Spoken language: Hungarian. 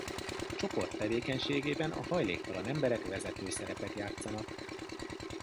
A csoport tevékenységében a hajléktalan emberek vezető szerepet játszanak.